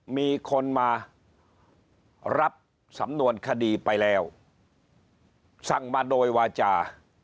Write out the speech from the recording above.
มีคนมารับสำนวนคดีไปแล้วสั่งมาโดยวาจา